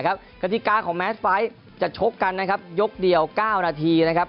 กฎิกาของแมทไฟต์จะชกกันยกเดียว๙นาที